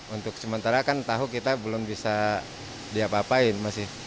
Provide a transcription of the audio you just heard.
untuk sementara kan tahu kita belum bisa diapapain masih